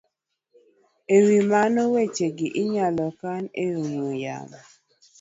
E wi mano, wechegi inyalo kan e ong'we yamo